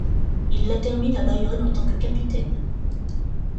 Il la termine à Bayonne en tant que capitaine.